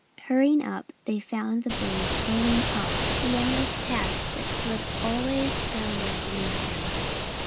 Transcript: Hurrying up, they found the bays toiling up the endless path that slid always downward beneath them.